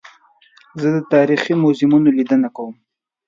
زه د تاریخي موزیمونو لیدنه کوم.